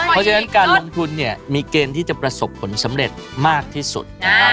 เพราะฉะนั้นการลงทุนมีเกณฑ์ที่จะประสบผลสำเร็จมากที่สุด